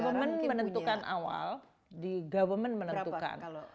government menentukan awal government menentukan